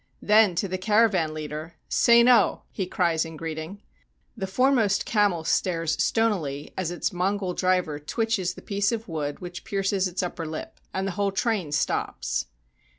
Then to the caravan leader: "Sein oh!" he cries in greeting. The foremost camel stares stonily as its Mongol driver twitches the piece of wood which pierces its upper lip, and the whole train stops.